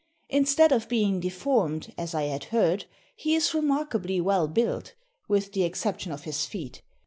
Instead of being deformed, as I had heard, he is remarkably well built, with the exception of his feet.